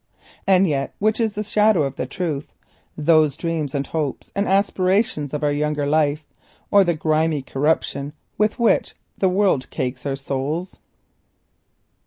And yet which is the shadow of the truth—those dreams, and hopes, and aspirations of our younger life, or the corruption with which the world cakes our souls?